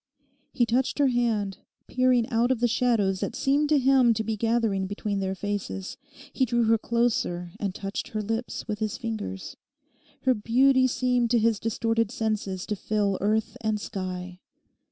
He touched her hand, peering out of the shadows that seemed to him to be gathering between their faces. He drew her closer and touched her lips with his fingers. Her beauty seemed to his distorted senses to fill earth and sky.